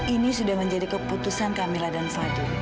ini sudah menjadi keputusan kamilah dan fadil